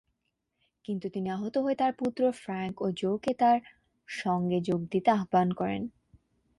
কিন্তু তিনি আহত হয়ে তাঁর পুত্র ফ্র্যাংক ও জো-কে তাঁর সঙ্গে যোগ দিতে আহ্বান করেন।